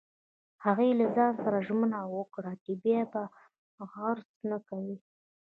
هغې له ځان سره ژمنه وکړه چې بیا به حرص نه کوي